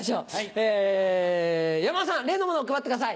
え山田さん例のものを配ってください。